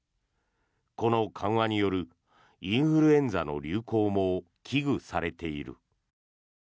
この緩和によるインフルエンザの流行も危惧されている。